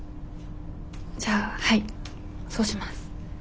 じゃあはいそうします。